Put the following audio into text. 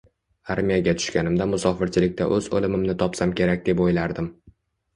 Armiyaga tushganimda musofirchilikda o`z o`limimni topsam kerak deb o`ylardim